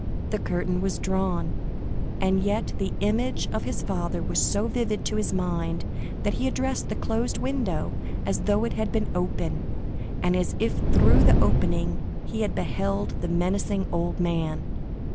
The curtain was drawn, and yet the image of his father was so vivid to his mind that he addressed the closed window as though it had been open, and as if through the opening he had beheld the menacing old man.